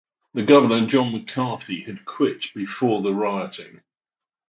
The governor, John McCarthy, had quit before the rioting.